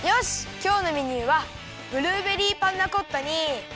きょうのメニューはブルーベリーパンナコッタにきまり！